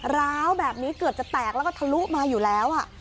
ร้าวแบบนี้เกือบจะแตกแล้วก็ทะลุมาอยู่แล้ว